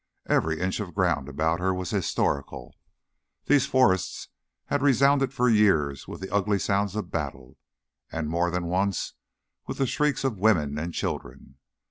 Every inch of ground about her was historical. These forests had resounded for years with the ugly sounds of battle, and more than once with the shrieks of women and children.